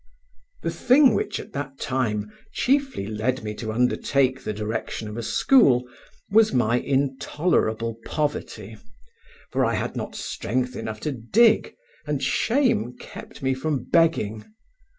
The thing which at that time chiefly led me to undertake the direction of a school was my intolerable poverty, for I had not strength enough to dig, and shame kept me from begging.